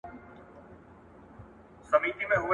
که خوشاله ونه اوسې نو ژوند به درته ډېر ستړی کوونکی وي.